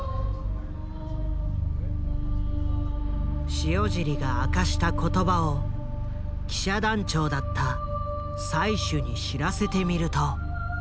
塩尻が明かした言葉を記者団長だった最首に知らせてみると。